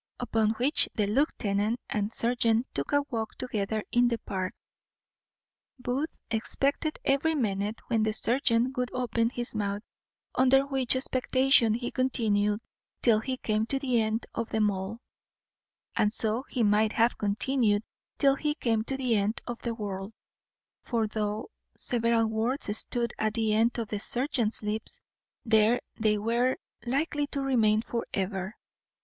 Upon which the lieutenant and serjeant took a walk together in the Park. Booth expected every minute when the serjeant would open his mouth; under which expectation he continued till he came to the end of the mall, and so he might have continued till he came to the end of the world; for, though several words stood at the end of the serjeant's lips, there they were likely to remain for ever.